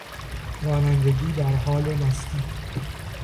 رانندگی در حال مستی